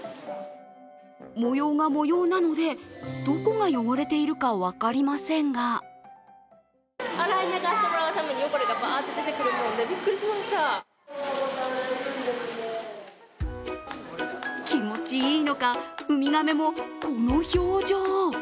模様が模様なのでどこが汚れているか分かりませんが気持ちいいのか、海亀もこの表情。